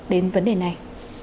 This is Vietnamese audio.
đến vấn đề này